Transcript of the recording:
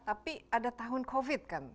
tapi ada tahun covid kan